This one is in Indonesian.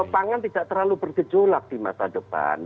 pangan tidak terlalu bergejolak di masa depan